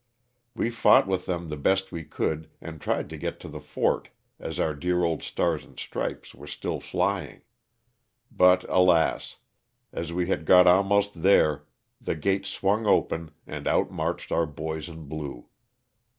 We fought with them the best we could and tried to get to the fort, as our dear old stars and stripes were still flying. But alas ! as we had got almost there the gates swung open and out marched our boys in blue.